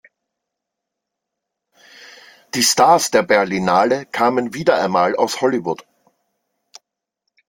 Die Stars der Berlinale kamen wieder einmal aus Hollywood.